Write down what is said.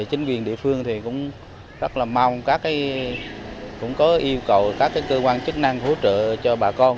chính quyền địa phương thì cũng rất là mong các cũng có yêu cầu các cơ quan chức năng hỗ trợ cho bà con